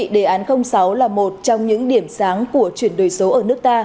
đề án sáu là một trong những điểm sáng của chuyển đổi số ẩn định